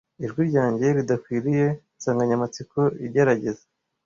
Ijwi ryanjye ridakwiriye insanganyamatsiko igerageza, -